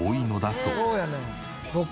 そうやねん。